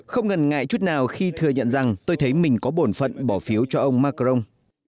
không ngần ngại chút nào khi thừa nhận rằng tôi thấy mình có bổn phận bỏ phiếu cho ông macron